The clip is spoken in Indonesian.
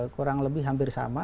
kurang lebih hampir sama